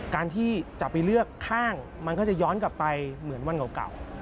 การที่จะไปเลือกข้างมันก็จะย้อนกลับไปเหมือนวันเก่า